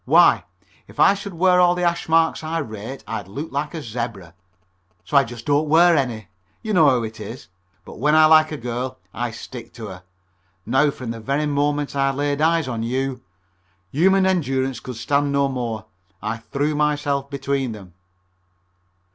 Why, if I should wear all the hash marks I rate I'd look like a zebra. So I just don't wear any. You know how it is. But when I like a girl I stick to her. Now from the very first moment I laid eyes on you " Human endurance could stand no more. I threw myself between them.